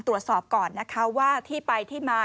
ตรวจสอบก่อนนะคะว่าที่ไปที่มา